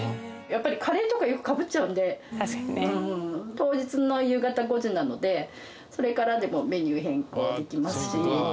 当日の夕方５時なのでそれからでもメニュー変更できますし。